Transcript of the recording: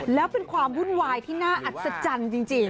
แล้วเป็นความวุ่นวายที่น่าอัศจรรย์จริง